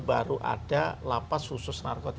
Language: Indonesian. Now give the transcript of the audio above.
baru ada lapas khusus narkotika